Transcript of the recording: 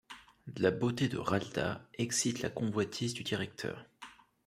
La beauté de Ralda excite la convoitise du directeur.